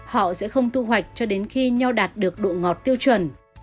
họ sẽ không thu hoạch cho đến khi nho đạt được độ ngọt tiêu chuẩn